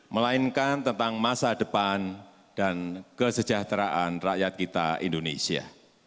melainkan tentang masa depan dan kesejahteraan rakyat kita indonesia